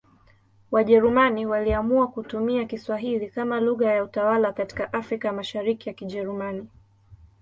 Wajerumani waliamua kutumia Kiswahili kama lugha ya utawala katika Afrika ya Mashariki ya Kijerumani.